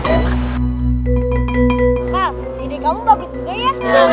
kakak ide kamu bagus juga ya udah